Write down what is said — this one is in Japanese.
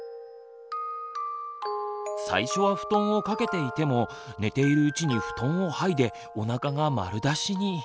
最初は布団を掛けていても寝ているうちに布団をはいでおなかが丸出しに。